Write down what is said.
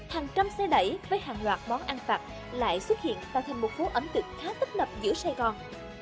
hàng trăm xe đẩy với hàng loạt món ăn phạt lại xuất hiện tạo thành một phố ẩm thực khá tấp nập giữa sài gòn